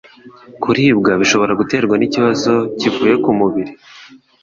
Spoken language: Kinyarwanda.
Kuribwa bishobora guterwa n'ikibazo kivuye ku mubiri,